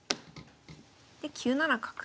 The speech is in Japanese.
で９七角。